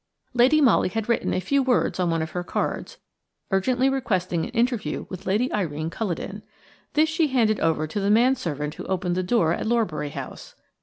Lady Molly had written a few words on one of her cards, urgently requesting an interview with Lady Irene Culledon. This she handed over to the man servant who opened the door at Lorbury House.